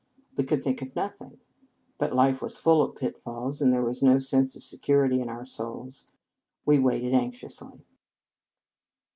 We could think of nothing; but life was full of pitfalls, and there was no sense of security in our souls. We waited anxiously.